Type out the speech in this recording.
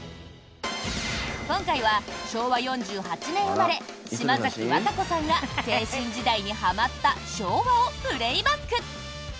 今回は、昭和４８年生まれ島崎和歌子さんが青春時代にはまった昭和をプレーバック！